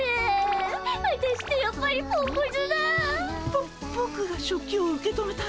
ボボクが食器を受け止めた。